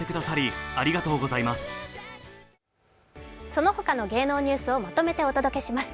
そのほかの芸能ニュースをまとめてお届けします。